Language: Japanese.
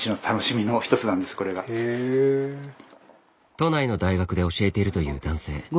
都内の大学で教えているという男性。